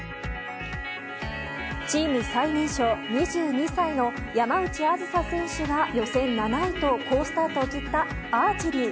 チーム最年少２２歳の山内梓選手が予選７位と好スタートを切ったアーチェリー。